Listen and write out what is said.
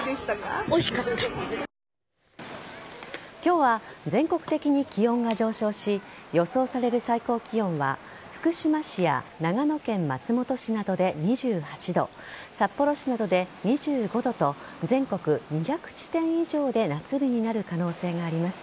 今日は全国的に気温が上昇し予想される最高気温は福島市や長野県松本市などで２８度札幌市などで２５度と全国２００地点以上で夏日になる可能性があります。